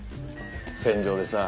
戦場でさ